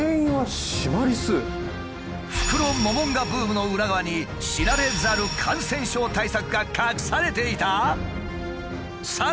フクロモモンガブームの裏側に知られざる感染症対策が隠されていた！？